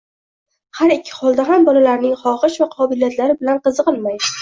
Har ikki holda ham bolalarining xohish va qobiliyatlari bilan qiziqilmay